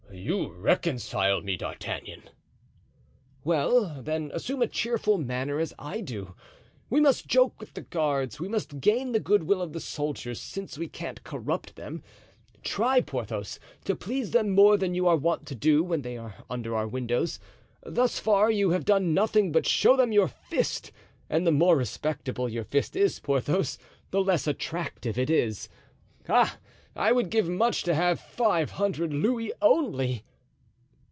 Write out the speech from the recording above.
"You reconcile me, D'Artagnan." "Well, then, assume a cheerful manner, as I do; we must joke with the guards, we must gain the good will of the soldiers, since we can't corrupt them. Try, Porthos, to please them more than you are wont to do when they are under our windows. Thus far you have done nothing but show them your fist; and the more respectable your fist is, Porthos, the less attractive it is. Ah, I would give much to have five hundred louis, only."